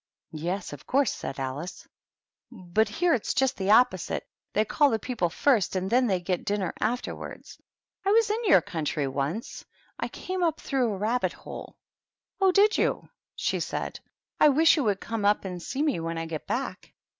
" Yes, of course," said Alice. "But here it's just opposite. They call the people first, and then they get dinner afterwards. I was in your country once ; I came up through a rabbit hole." " Oh, did you ?" she said. " I wish you would come up and see me when I get back."